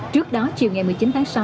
trước đó chiều ngày một mươi chín tháng sáu